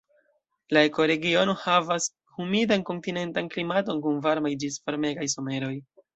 La ekoregiono havas humidan kontinentan klimaton kun varmaj ĝis varmegaj someroj.